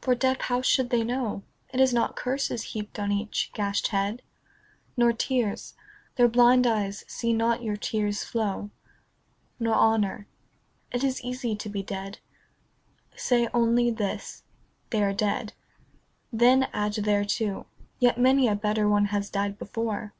For, deaf, how should they know It is not curses heaped on each gashed head ? Nor tears. Their blind eyes see not your tears flow. Nor honour. It is easy to be dead. Say only this, " They are dead." Then add thereto, " Yet many a better one has died before."